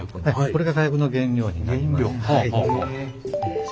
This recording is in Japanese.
これが火薬の原料になります。